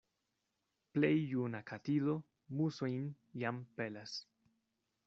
Plej juna katido musojn jam pelas.